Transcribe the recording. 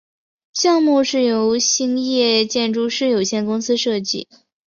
项目由兴业建筑师有限公司设计。